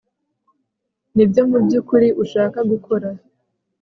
nibyo mubyukuri ushaka gukora